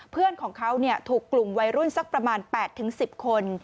เพื่อนของเขาถูกกลุ่มวัยรุ่นสักประมาณ๘๑๐คน